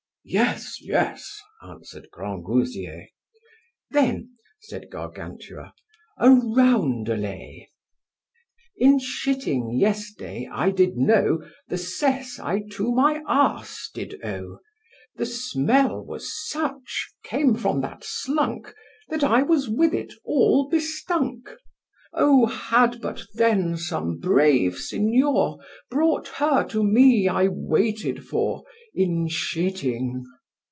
Yes, yes, answered Grangousier. Then, said Gargantua, A Roundelay. In shitting yes'day I did know The sess I to my arse did owe: The smell was such came from that slunk, That I was with it all bestunk: O had but then some brave Signor Brought her to me I waited for, In shitting!